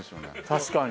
確かに。